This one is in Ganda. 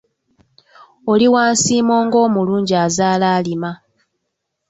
Oli wa nsimo ng’omulungi azaala alima.